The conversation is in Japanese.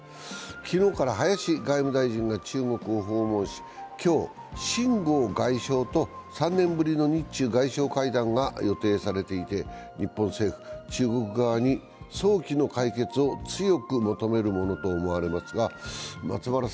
昨日から林外務大臣が中国を訪問し、今日、秦剛外相と３年ぶりの日中外相会談が予定されていて日本政府、中国側に早期の解決を強く求めるものと見られます。